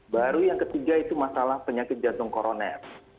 baru yang ketiga itu masalah penyakit jantung koroner